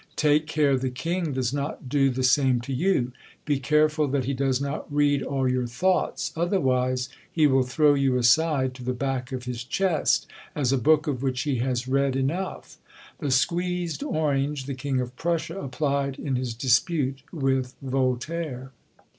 Take care the king does not do the same to you; be careful that he does not read all your thoughts; otherwise he will throw you aside to the back of his chest, as a book of which he has read enough." "The squeezed orange," the King of Prussia applied in his dispute with Voltaire.